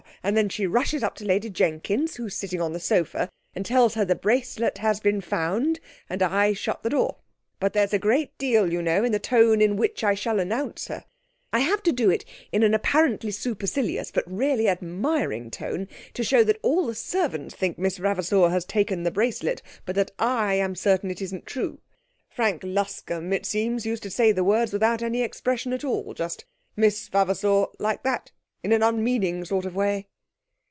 and then she rushes up to Lady Jenkins, who is sitting on the sofa, and tells her the bracelet has been found, and I shut the door. But there's a great deal, you know, in the tone in which I announce her. I have to do it in an apparently supercilious but really admiring tone, to show that all the servants think Miss Vavasour had taken the bracelet, but that I am certain it isn't true. Frank Luscombe, it seems, used to say the words without any expression at all, just "Miss Vavasour!" like that, in an unmeaning sort of way.'